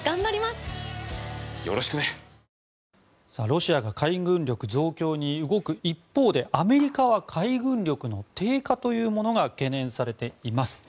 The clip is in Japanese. ロシアが海軍力増強に動く一方でアメリカは海軍力の低下というものが懸念されています。